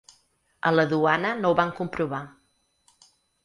A la duana no ho van comprovar.